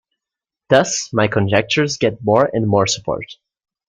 Thus my conjectures get more and more support.